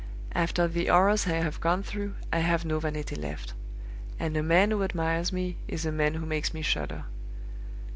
After the horrors I have gone through, I have no vanity left; and a man who admires me is a man who makes me shudder.